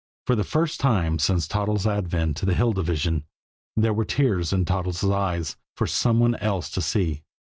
For the first time since Toddles' advent to the Hill Division, there were tears in Toddles' eyes for some one else to see.